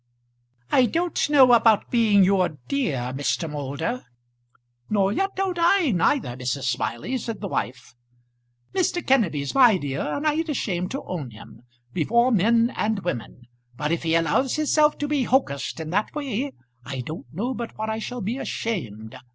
"I don't know about being your dear, Mr. Moulder " "Nor yet don't I neither, Mrs. Smiley," said the wife. "Mr. Kenneby's my dear, and I ain't ashamed to own him, before men and women. But if he allows hisself to be hocussed in that way, I don't know but what I shall be ashamed.